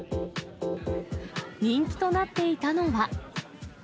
人気となっていたのは。